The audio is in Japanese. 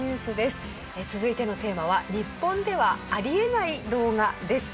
続いてのテーマは日本ではあり得ない動画です。